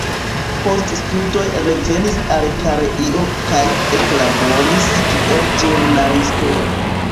Post studoj revenis al Koreio kaj eklaboris kiel ĵurnalisto.